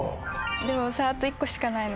でもあと１個しかないの。